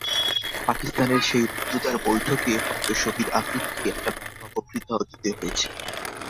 পাকিস্তানের সেই রুদ্ধদ্বার বৈঠকে হয়তো শহীদ আফ্রিদিকে একটা লম্বা বক্তৃতাও দিতে হয়েছে।